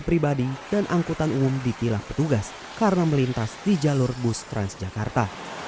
pribadi dan angkutan umum ditilang petugas karena melintas di jalur bus transjakarta